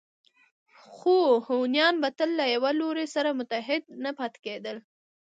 خو هونیان به تل له یوه لوري سره متحد نه پاتې کېدل